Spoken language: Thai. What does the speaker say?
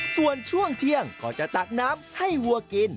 ส่วนช่วงเที่ยงก็จะตักน้ำให้วัวกิน